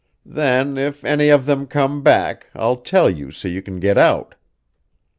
Then, if any of them come back, I'll tell you so you can get out."